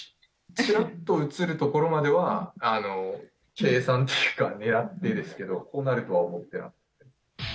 ちらっと映るところまでは計算っていうか、ねらってですけど、こうなるとは思っていなかったです。